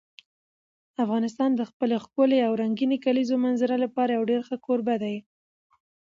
افغانستان د خپلې ښکلې او رنګینې کلیزو منظره لپاره یو ډېر ښه کوربه دی.